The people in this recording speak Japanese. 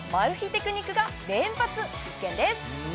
テクニックが連発必見です